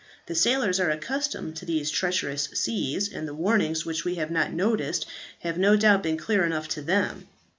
The sailors are accustomed to these treacherous seas, and the warnings which we have not noticed have no doubt been clear enough to them."